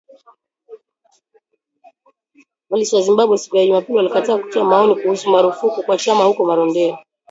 Polisi wa Zimbabwe, siku ya Jumapili walikataa kutoa maoni kuhusu marufuku kwa chama huko Marondera